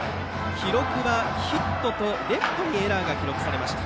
記録はヒットとレフトにエラーが記録されました。